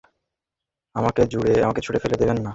এটা তো মনে হচ্ছে শাপে বর হলো!